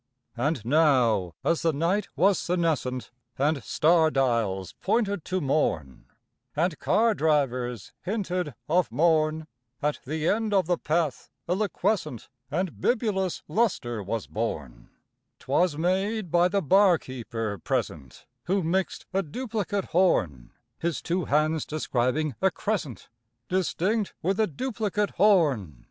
And now as the night was senescent, And star dials pointed to morn, And car drivers hinted of morn, At the end of the path a liquescent And bibulous lustre was born; 'Twas made by the bar keeper present, Who mixed a duplicate horn, His two hands describing a crescent Distinct with a duplicate horn.